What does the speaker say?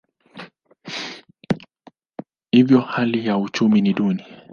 Hivyo hali ya uchumi ni duni.